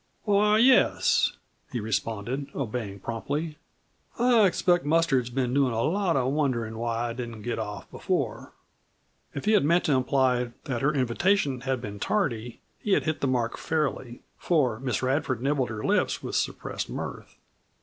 "Why, yes," he responded, obeying promptly; "I expect Mustard's been doin' a lot of wonderin' why I didn't get off before." If he had meant to imply that her invitation had been tardy he had hit the mark fairly, for Miss Radford nibbled her lips with suppressed mirth.